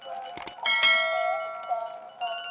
nih ini udah gampang